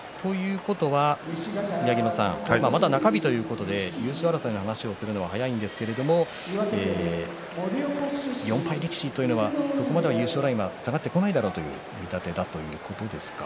宮城野さんまだ中日ということで優勝争いの話をするのはなんですが４敗力士というのは、そこまで優勝ラインが下がってこないだろうという見立てですか。